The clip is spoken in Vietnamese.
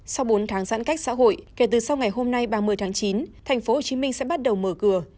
sau bốn tháng giãn cách xã hội kể từ sau ngày hôm nay ba mươi tháng chín tp hcm sẽ bắt đầu mở cửa